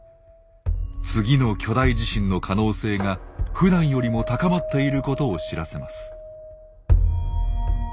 次の巨大地震の可能性がふだんよりも高まっていることを知らせます。